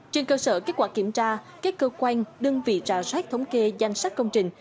trên cơ sở kết quả kiểm tra các cơ quan đơn vị trà sát thống kê danh sách công trình